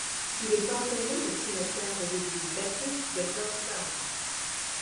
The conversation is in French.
Il est enterré au cimetière de l'Église baptiste de Georgetown.